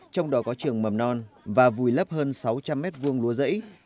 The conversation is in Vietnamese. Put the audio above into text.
trong đó có trường mầm non và vùi lấp hơn sáu trăm linh m hai lúa rẫy